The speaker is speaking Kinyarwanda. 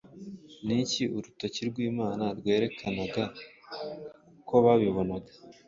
Niki urutoki rw'Imana rwerekanaga uko babibona,